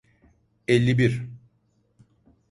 Elli bir.